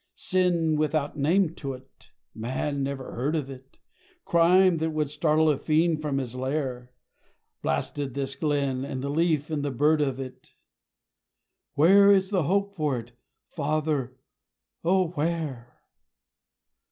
Sin without name to it man never heard of it Crime that would startle a fiend from his lair, Blasted this Glen, and the leaf and the bird of it _Where is there hope for it, Father, O where?